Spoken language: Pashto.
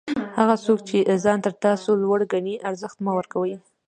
هغه څوک چي ځان تر تاسي لوړ ګڼي؛ ارزښت مه ورکوئ!